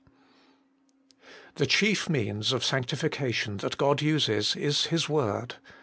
THE chief means of sanctification that God uses is His word.